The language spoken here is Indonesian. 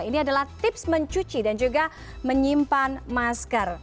ini adalah tips mencuci dan juga menyimpan masker